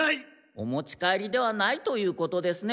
お持ち帰りではないということですね。